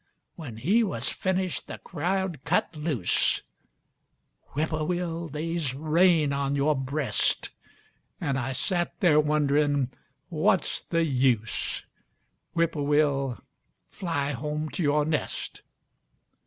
When he was finished, the crowd cut loose, (Whippoorwill, they's rain on yore breast.) An' I sat there wonderin' 'What's the use?' (Whippoorwill, fly home to yore nest.)